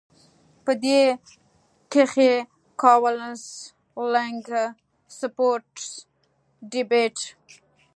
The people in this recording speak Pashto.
پۀ دې کښې کاونسلنګ ، سپورټس ، ډيبېټ ،